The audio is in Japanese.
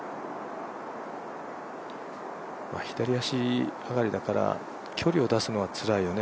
左足上がりだから距離を出すのはつらいよね。